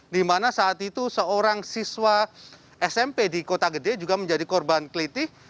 di mana saat itu seorang siswa smp di kota gede juga menjadi korban kelitih